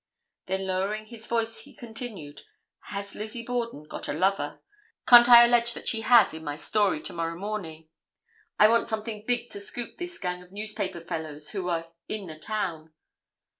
Then lowering his voice he continued, 'Has Lizzie Borden got a lover? Can't I allege that she has in my story to morrow morning? I want something big to scoop this gang of newspaper fellows who are in the town.